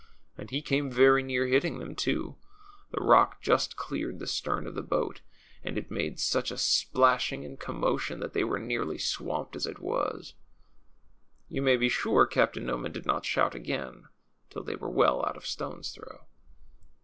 And he came very near hitting them, too ; the rock just cleared the stern of the boat, and it made such a splashing and THE THRILLING STORY OF CAPTAIN NOMAN. commotion that they were nearly swamped as it was. You may be sure Cap)tain Noman did not shout again till they were well out of stone' s throw.